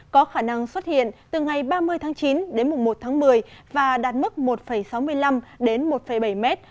có khả năng xuất hiện từ ngày ba mươi tháng chín đến mùng một tháng một mươi và đạt mức một sáu mươi năm đến một bảy mét